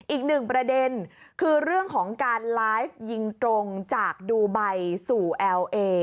อีกหนึ่งประเด็นคือเรื่องของการไลฟ์ยิงตรงจากดูไบสู่เอลเอ